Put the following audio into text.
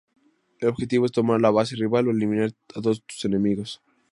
El objetivo es tomar la base rival o eliminar a todos tus enemigos.